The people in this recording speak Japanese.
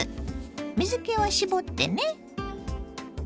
水けは絞ってね。